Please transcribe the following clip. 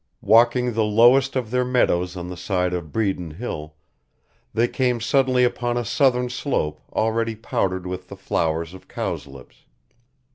Walking the lowest of their meadows on the side of Bredon Hill, they came suddenly upon a southern slope already powdered with the flowers of cowslips.